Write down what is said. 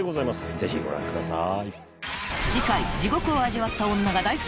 ぜひご覧ください。